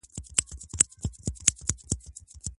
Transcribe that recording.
ميرمن خاوند ته څنګه ضرر رسولای سي؟